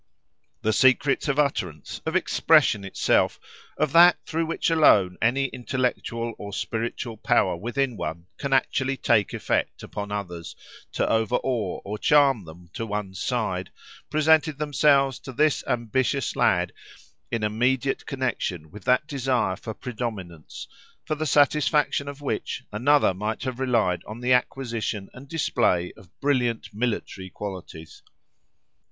The secrets of utterance, of expression itself, of that through which alone any intellectual or spiritual power within one can actually take effect upon others, to over awe or charm them to one's side, presented themselves to this ambitious lad in immediate connexion with that desire for predominance, for the satisfaction of which another might have relied on the acquisition and display of brilliant military qualities.